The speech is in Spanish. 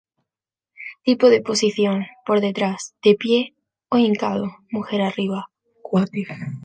Tipo de posición: por detrás, de pie o hincado, mujer arriba.